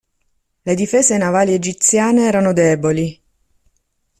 Le difese navali egiziane erano deboli.